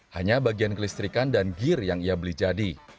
hanya bagian kelistrikan dan gear yang ia beli jadi